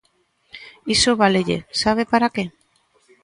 Iso válelle ¿sabe para que?